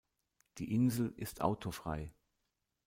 Die Insel ist autofrei.